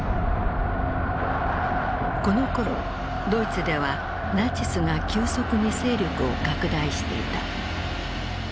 このころドイツではナチスが急速に勢力を拡大していた。